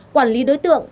quản lý đối tượng